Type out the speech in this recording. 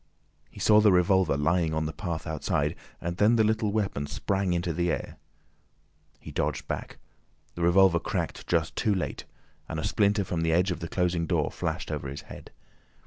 He saw the revolver lying on the path outside, and then the little weapon sprang into the air. He dodged back. The revolver cracked just too late, and a splinter from the edge of the closing door flashed over his head.